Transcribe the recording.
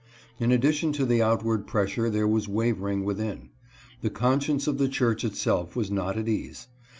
In addition to the outward pressure there was wavering within. The conscience of the church itself was not at «ase.